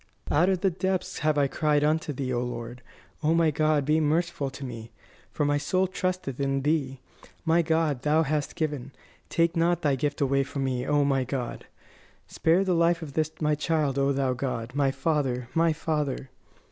"Out of the depths have I cried unto Thee, O Lord! O my God, be merciful to me, for my soul trusteth in Thee. My God, Thou hast given; take not Thy gift away from me, O my God! Spare the life of this my child, O Thou God, my Father, my Father!"